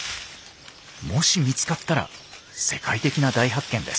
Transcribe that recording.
もし見つかったら世界的な大発見です。